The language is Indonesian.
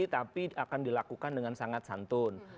tapi akan dilakukan dengan sangat santun